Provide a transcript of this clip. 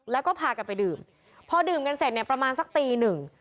แล้วก็พากันไปดื่มพอดื่มกันเสร็จเนี่ยประมาณสักตีหนึ่ง